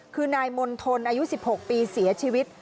คือนายมณฑลอายุ๑๖ปีเสียชีวิต